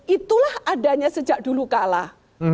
itulah adanya sejak dulu kalah